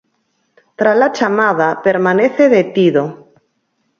Tras a chamada permanece detido.